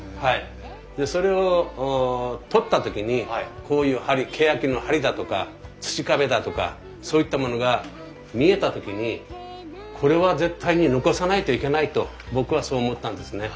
それを取った時にこういうけやきの梁だとか土壁だとかそういったものが見えた時にこれは絶対に残さないといけないと僕はそう思ったんですね。